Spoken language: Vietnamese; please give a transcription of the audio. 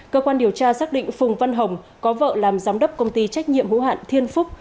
cơ quan điều tra xác định phùng văn hồng có vợ làm giám đốc công ty trách nhiệm hữu hạn thiên phúc